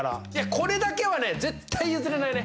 これだけはね絶対譲れないね！